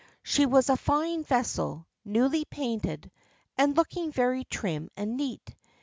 She was a fine vessel, newly painted, and looking very trim and neat.